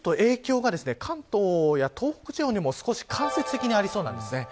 この影響が、関東や東北地方にも少し間接的にありそうです。